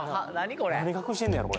これ何隠してんねやろ？